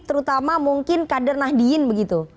terutama mungkin kader nahdien begitu